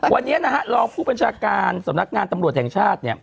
วันนี้นะฮะรองผู้บัญชาการสำนักงานตำรวจแห่งชาติเนี่ย